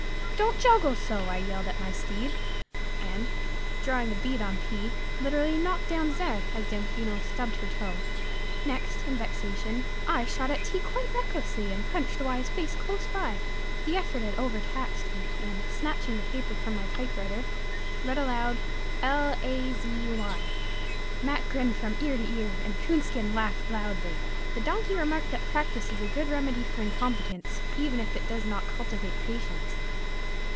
"Don't joggle so!" I yelled at my steed, and, drawing a bead on P, literally knocked down Z, as Damfino stubbed her toe. Next, in vexation, I shot at T quite recklessly, and punched Y's face close by. The effort had overtaxed me, and snatching the paper from my typewriter, read aloud L A Z Y. Mac grinned from ear to ear, and Coonskin laughed loudly. The donkey remarked that practice is a good remedy for incompetence, even if it does not cultivate patience.